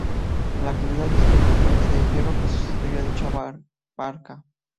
En la actualidad designa al puente de hierro que sustituyó a dicha barca.